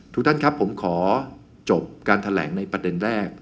ทุกท่านครับผมขอจบการแถลงในประเด็นแรก